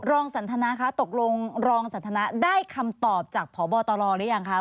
รองสันทนาคะตกลงรองสันทนาได้คำตอบจากพบตรหรือยังคะ